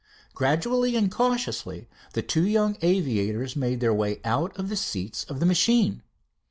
Gradually and cautiously the two young aviators made their way out of the seats of the machine.